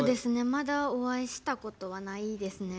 まだお会いしたことはないですね。